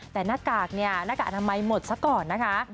แต่หน้ากากเนี่ยหน้ากากอนามัยหมดซะก่อนนะคะ